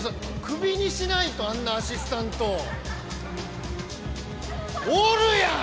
クビにしないとあんなアシスタントおるやん！